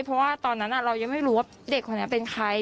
เพราะว่าตอนนั้นเรายังไม่รู้ว่าเด็กคนนั้นเป็นใคร